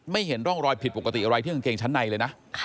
เห็นร่องรอยผิดปกติอะไรที่กางเกงชั้นในเลยนะ